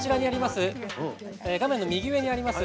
画面の右上にあります